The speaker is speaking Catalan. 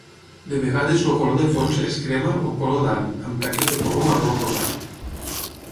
De vegades el color de fons és crema o color d'ant amb taques de color marró-rosat.